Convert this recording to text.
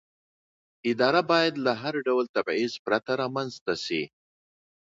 اداره باید له هر ډول تبعیض پرته رامنځته شي.